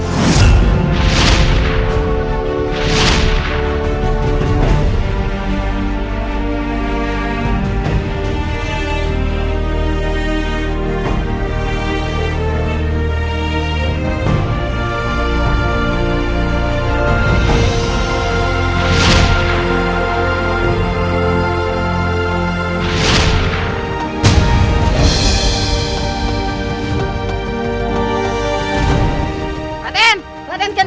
sampai ketemu di rumahmu